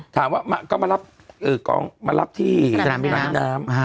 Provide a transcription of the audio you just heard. ถามว่ามาก็มารับเออกองมารับที่สนามสนามสนามอ่าฮะ